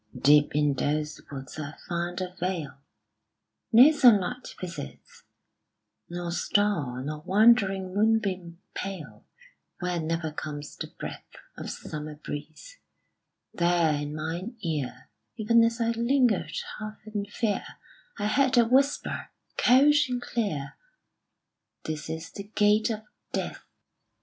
Deep in those woods I found a vale No sunlight visiteth, Nor star, nor wandering moonbeam pale; Where never comes the breath Of summer breeze there in mine ear, Even as I lingered half in fear, I heard a whisper, cold and clear, "This is the gate of Death.